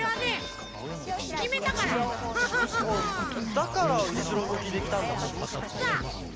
だからうしろむきできたんだ。